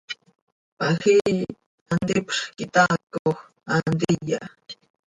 Pajii hant ipzx quih taacoj, haa ntiya.